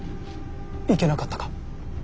いけなかったか。